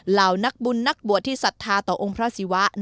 เหล่านักบุญนักบวชที่ศรัทธาต่อองค์พระศิวะ